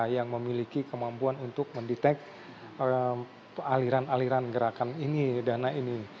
yang memiliki kemampuan untuk mendetek aliran aliran gerakan ini dana ini